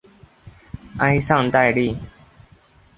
埃尚代利。